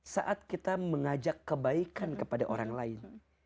saat kita mengajak kebaikan kepada orang lain